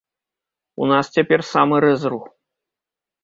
У нас цяпер самы рэзрух.